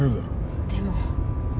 でも。